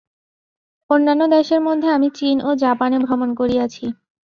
অন্যান্য দেশের মধ্যে আমি চীন ও জাপানে ভ্রমণ করিয়াছি।